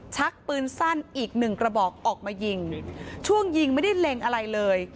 ชักปืนสั้นอีกหนึ่งกระบอกออกมายิงช่วงยิงไม่ได้เล็งอะไรเลย